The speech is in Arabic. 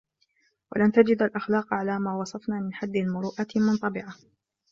وَلَنْ تَجِدَ الْأَخْلَاقَ عَلَى مَا وَصَفْنَا مِنْ حَدِّ الْمُرُوءَةِ مُنْطَبِعَةً